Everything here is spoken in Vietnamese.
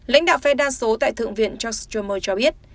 lãnh đạo phe đa số tại thượng viện chuck schumer cho biết